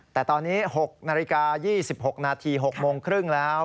แต่ตอนนี้๖นาฬิกา๒๖นาที๖โมงครึ่งแล้ว